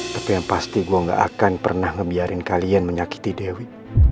tapi yang pasti gue gak akan pernah ngebiarin kalian menyakiti dewi